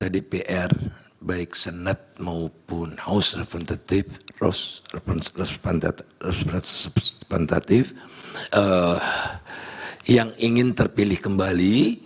dpr baik senat maupun house refuntativentatif yang ingin terpilih kembali